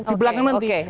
di belakang nanti